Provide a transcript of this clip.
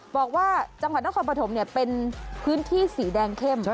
บอกว่าจังหวัดนครปฐมเป็นพื้นที่สีแดงเข้ม